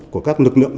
của các lực lượng